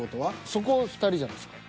そこ２人じゃないですか？